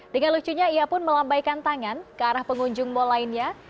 dengan lucunya ia pun melambaikan tangan ke arah pengunjung mal lainnya